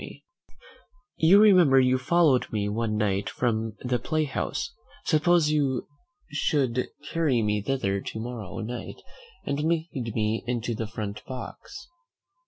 Bickerstaff, you remember you followed me one night from the play house; suppose you should carry me thither to morrow night, and lead me into the front box."